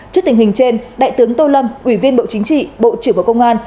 trước tình hình trên đại tướng tô lâm ủy viên bộ chính trị bộ trưởng bộ công an